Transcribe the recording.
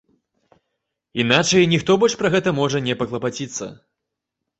Іначай ніхто больш пра гэта можа не паклапаціцца.